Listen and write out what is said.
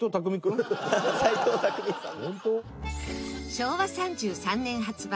昭和３３年発売。